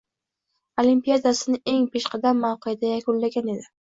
Olimpiadasini eng peshqadam mavqeda yakunlagan edi.